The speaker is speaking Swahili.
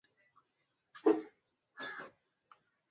Mnyama mmoja tu anaweza kuugua katika kundi la mifugo